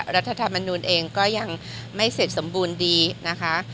รัฐธรรมนูลเองก็ยังไม่เสร็จสมบูรณ์ดีนะคะ